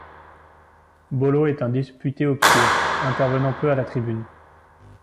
Bolot est député obscur, intervenant peu à la tribune.